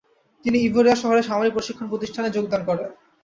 তিনি ইভরেয়া শহরে সামরিক প্রশিক্ষণ প্রতিষ্ঠানে যোগদান করেন।